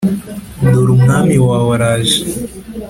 dore Umwami wawe araje